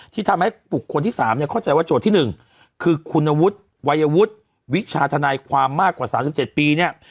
ที่ทำให้บุคคลที่๓เนี่ยเข้าใจว่าโจทย์ที่๑คือคุณวุฒิวัยวุฒิวิชาธนายความมากกว่า๓๗ปีเนี่ย